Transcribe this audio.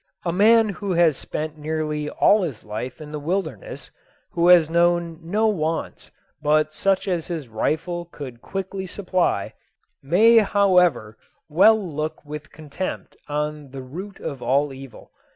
A man who has spent nearly all his life in the wilderness, who has known no wants but such as his rifle could quickly supply, may, however, well look with contempt on the "root of all evil."